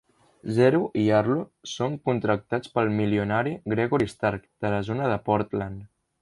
Zero i Arlo són contractats pel milionari Gregory Stark de la zona de Portland.